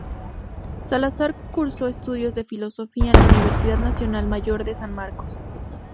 Salazar cursó estudios de Filosofía en la Universidad Nacional Mayor de San Marcos.